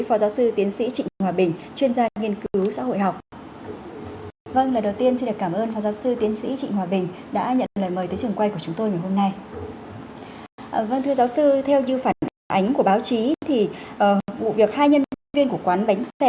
phó giáo sư tiến sĩ trịnh hòa bình